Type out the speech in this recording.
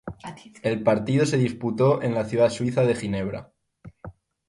El partido se disputó en la ciudad suiza de Ginebra.